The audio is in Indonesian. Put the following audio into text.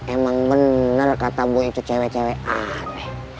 emang bener kata boy itu cewek cewek aneh